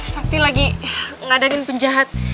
sakti lagi ngadangin penjahat